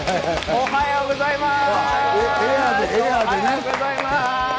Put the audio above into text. おはようございます。